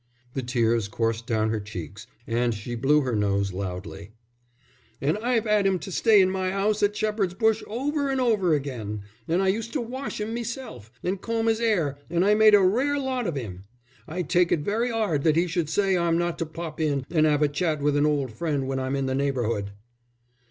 '" The tears coursed down her cheeks and she blew her nose loudly. "And I've 'ad 'im to stay in my 'ouse at Shepherd's Bush over and over again. And I used to wash 'im meself, and comb his 'air, and I made a rare lot of 'im. I take it very 'ard that he should say I'm not to pop in and 'ave a chat with an old friend when I'm in the neighbourhood."